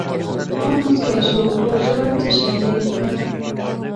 هغه موسکی شو: باجوړ څه شی دی، نه.